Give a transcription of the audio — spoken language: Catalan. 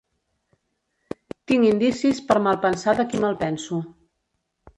Tinc indicis per malpensar de qui malpenso.